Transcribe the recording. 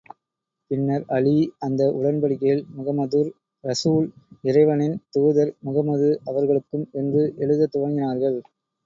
பின்னர், அலீ அந்த உடன்படிக்கையில், முஹம்மதுர் ரஸூல் இறைவனின் தூதர் முஹம்மது அவர்களுக்கும்... என்று எழுதத் துவங்கினார்கள்.